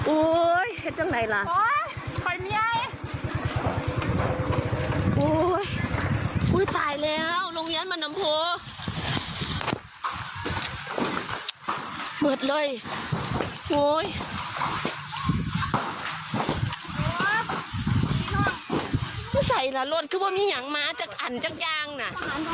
โอ้ยไม่ใส่ละรถคือผมมีอย่างม้าจากอ่านจากย่างน่ะ